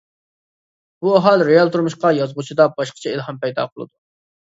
بۇ ھال رېئال تۇرمۇشقا يازغۇچىدا باشقىچە ئىلھام پەيدا قىلىدۇ.